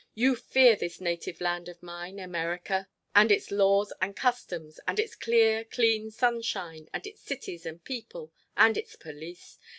You fear this native land of mine, America; and its laws and customs, and its clear, clean sunshine; and its cities and people; and its police!